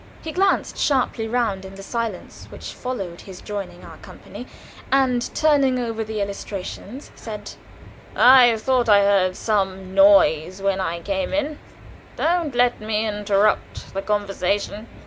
He glanced sharply round in the silence which followed his joining our company, and turning over the illustrations, said: "I thought I heard some noise when I came in. Don't let me interrupt the conversation."